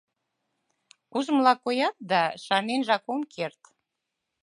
— Ужмыла коят да, шарненжак ом керт.